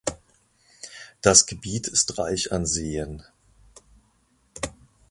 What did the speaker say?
Das Gebiet ist reich an Seen.